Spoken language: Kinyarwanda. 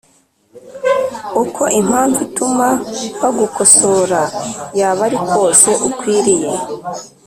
Uko impamvu ituma bagukosora yaba ari kose ukwiriye